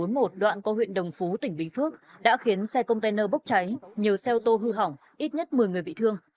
đoạn qua huyện đồng phú tỉnh bình phước đã khiến xe container bốc cháy nhiều xe ô tô hư hỏng ít nhất một mươi người bị thương